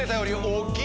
大っきい！